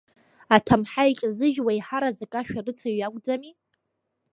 Аҭамҳа еиҿазыжьуа еиҳараӡак ашәарыцаҩ иакәӡами?